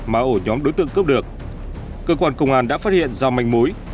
mà ổ nhóm đối tượng cướp được cơ quan công an đã phát hiện ra manh mối